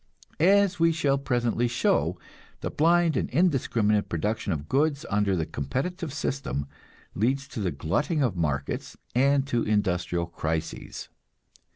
As we shall presently show, the blind and indiscriminate production of goods under the competitive system leads to the glutting of markets and to industrial crises.